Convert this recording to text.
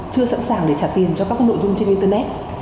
chưa sẵn sàng để trả tiền cho các nội dung trên internet